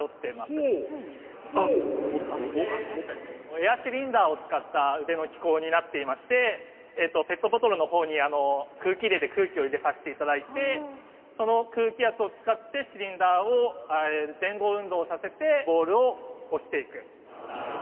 エアシリンダーを使った腕の機構になっていましてペットボトルのほうに空気入れで空気を入れさせていただいてその空気圧を使ってシリンダーを前後運動させてボールを押していく。